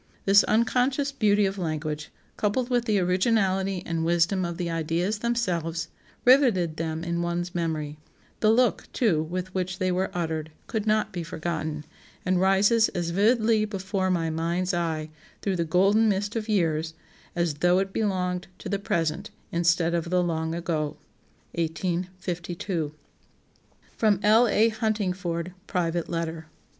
This unconscious beauty of language, coupled with the originality and wisdom of the ideas themselves, riveted them in one's memory; the look, too, with which they were uttered, could not be forgotten, and rises as vividly before my mind's eye 'through the golden mist of years' as though it belonged to the present, instead of the 'long ago.'" 1852. [Sidenote: L. A. Huntingford: private letter.